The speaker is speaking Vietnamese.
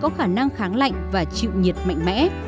cây akb có khả năng kháng lạnh và chịu nhiệt mạnh mẽ